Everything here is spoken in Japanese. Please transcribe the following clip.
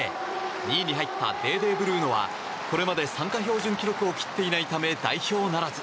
２位に入ったデーデー・ブルーノはこれまで参加標準記録を切っていないため代表ならず。